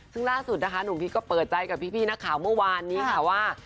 ซึ่งล่าสุดนะคะหนุ่มพีชก็เปิดใจกับพี่นักข่าวเมื่อวานนี้ค่ะว่า